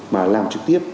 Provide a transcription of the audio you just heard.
mà làm trực tiếp